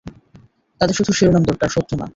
তাদের শুধু শিরোনাম দরকার, সত্য না!